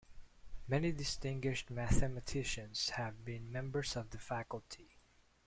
Many distinguished mathematicians have been members of the faculty.